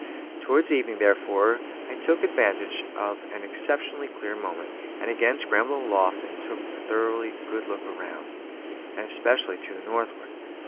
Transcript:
Towards evening, therefore, I took advantage of an exceptionally clear moment, and again scrambled aloft and took a thorough good look all round, and especially to the northward.